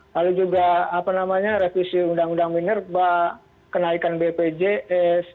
lalu juga apa namanya revisi undang undang minerba kenaikan bpjs